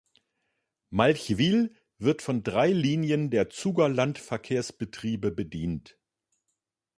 Walchwil wird von drei Linien der Zugerland Verkehrsbetriebe bedient.